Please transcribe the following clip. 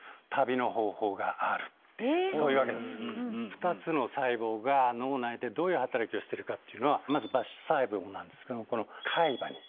２つの細胞が脳内でどういう働きをしてるかっていうのはまず場所細胞なんですけども。